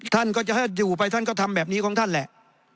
ท่านก็จะอยู่ไปท่านก็ทำแบบนี้ของท่านแหละ